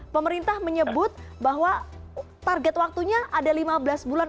pemerintah menyebut bahwa target waktunya ada lima belas bulan